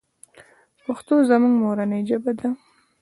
پښتو زموږ مورنۍ ژبه ده.